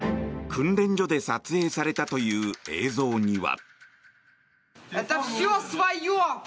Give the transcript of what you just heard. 訓練所で撮影されたという映像には。